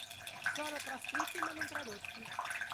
Sono trascritti ma non tradotti.